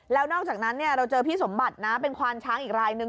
แล้วนอกจากนั้นเราเจอพี่สมบัตินะเป็นควานช้างอีกรายนึง